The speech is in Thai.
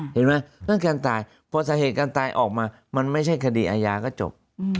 เห็นไหมเรื่องการตายพอสาเหตุการตายออกมามันไม่ใช่คดีอาญาก็จบ